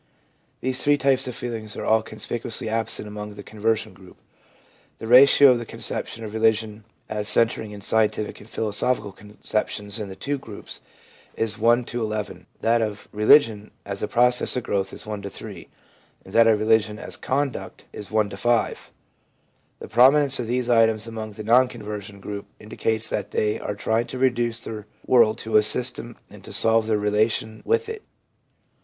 These three types of feeling are all conspicuously absent among the conversion group. The ratio of the conception of religion as centering in scientific and philosophical conceptions in the two groups is I to 1 1 ; that of religion as a process of growth is I to 3 ; and that of religion as conduct is 1 to 5. The prominence of these items among the non conversion group indicates that they are trying to reduce their world to a system and to solve their relation with it.